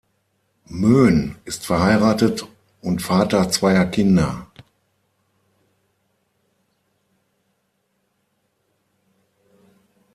Moen ist verheiratet und Vater zweier Kinder.